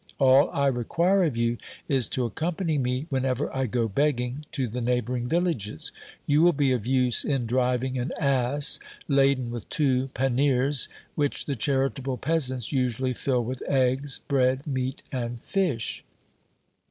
All I require of you is to accompany me whenever I go begging to the neighbouring villages ; you will be of use in driving an ass laden with two panniers, which the charitable peasants usually fill with eggs, bread, meat, and fish.